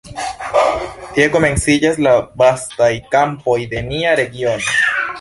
Ĉi tie komenciĝas la vastaj kampoj de nia regiono.